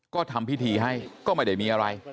ก็ทำพิธีให้ก็ไม่ได้มีอะไร